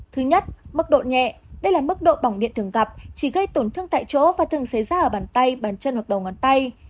thứ nhất mức độ nhẹ đây là mức độ bỏng điện thường gặp chỉ gây tổn thương tại chỗ và thường xảy ra ở bàn tay bàn chân hoặc đầu ngón tay